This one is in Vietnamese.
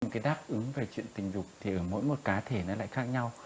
một cái đáp ứng về chuyện tình dục thì ở mỗi một cá thể nó lại khác nhau